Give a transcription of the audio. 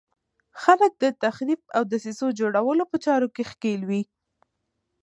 خلک د تخریب او دسیسو جوړولو په چارو کې ښکېل وي.